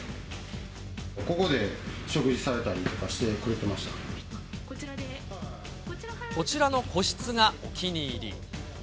ここで食事されたりとかしてこちらの個室がお気に入り。